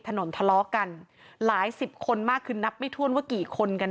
ทะเลาะกันหลายสิบคนมากคือนับไม่ถ้วนว่ากี่คนกัน